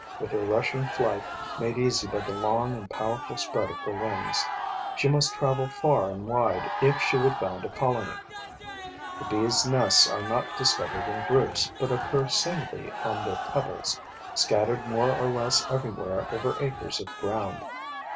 With her rushing flight, made easy by the long and powerful spread of her wings, she must travel far and wide if she would found a colony. The bee's nests are not discovered in groups, but occur singly on their pebbles, scattered more or less everywhere over acres of ground.